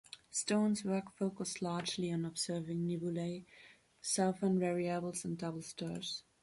Stone's work focused largely on observing nebulae, southern variables and double stars.